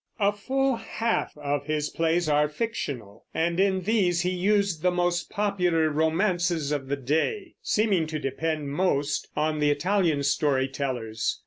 A full half of his plays are fictional, and in these he used the most popular romances of the day, seeming to depend most on the Italian story tellers.